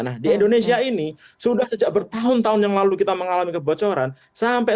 nah di indonesia ini sudah sejak bertahun tahun yang lalu kita mengalami kebocoran sampai